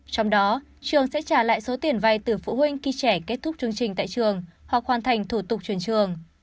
trong đó trường sẽ trả lại số tiền vay từ phụ huynh khi trẻ kết thúc chương trình tại trường hoặc hoàn thành thủ tục truyền trường